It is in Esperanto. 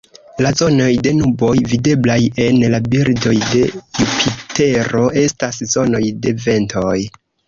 La zonoj de nuboj videblaj en la bildoj de Jupitero estas zonoj de ventoj.